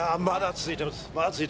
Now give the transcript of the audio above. まだ続いてます。